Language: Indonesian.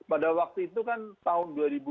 pada waktu itu kan tahun